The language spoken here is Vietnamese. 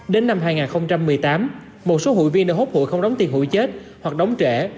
đến năm hai nghìn một mươi tám một số hụi viên đã hốt hụi không đóng tiền hụi chết hoặc đóng trẻ